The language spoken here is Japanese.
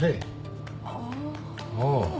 ああ。